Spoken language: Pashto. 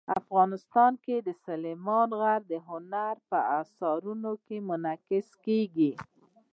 افغانستان کې سلیمان غر د هنر په اثارو کې منعکس کېږي.